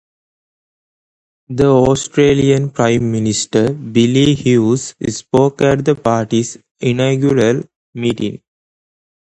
The Australian prime minister, Billy Hughes, spoke at the party's inaugural meeting.